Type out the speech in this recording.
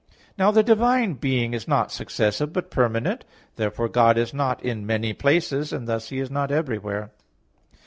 Now the divine being is not successive but permanent. Therefore God is not in many places; and thus He is not everywhere.